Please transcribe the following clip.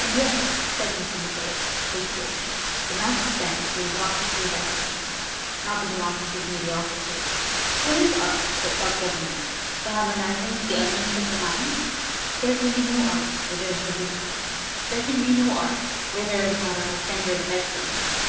"And yet,'* said Mr. MacKaye, hastily, "the masque stands for the democracy of excellence, not the democracy of mediocrity. What is art but self government, the harmonizing of the ele ments of the mind? There can be no art where there is no discipline, there can be no art where there is not a high standard of excellence.